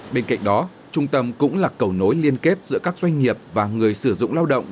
bên cạnh đó trung tâm cũng là cầu nối liên kết giữa các doanh nghiệp và người sử dụng lao động